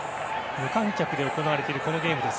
無観客で行われているこのゲームです。